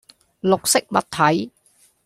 綠色物體